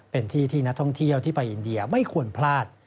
เป็นที่ที่นักท่องเที่ยวที่ไปอินเดียไม่ควรพลาด